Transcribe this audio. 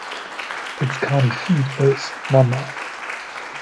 Its county seat is Monmouth.